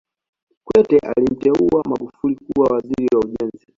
kikwete alimteua magufuli kuwa waziri wa ujenzi